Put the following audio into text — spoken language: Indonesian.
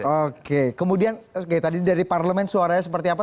oke kemudian tadi dari parlemen suaranya seperti apa